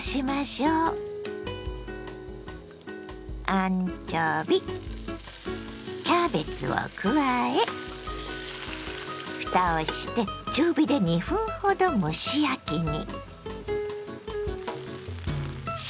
アンチョビキャベツを加えふたをして中火で２分ほど蒸し焼きに。